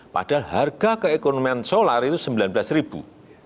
padahal harga keekonomian solar itu sembilan belas ribu